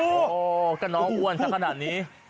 โอ้โหก็น้องอ้วนสักขนาดนี้